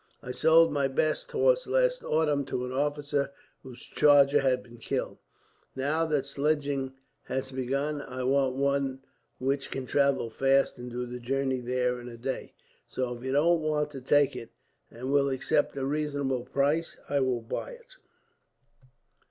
I sold my best horse last autumn, to an officer whose charger had been killed. Now that sledging has begun, I want one which can travel fast and do the journey there in a day; so if you don't want to take it, and will accept a reasonable price, I will buy it."